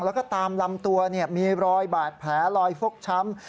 แล้วก็ตามลำตัวมีรอยบาดแผลรอยฟกช้ำ